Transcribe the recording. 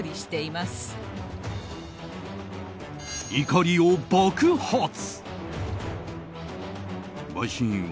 怒りを爆発。